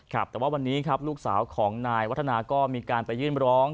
ครับแต่ว่าวันนี้ครับลูกสาวของนายวัฒนาก็มีการไปยื่นร้อง